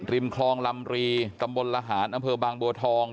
ริมคลองลำรีตลหบบังบัวทอง